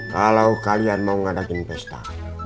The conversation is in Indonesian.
kalau kalian mau ngadain pesta